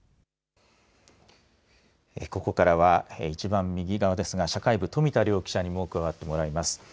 ここからは一番右側ですが、社会部、富田良記者にも加わってもらいます。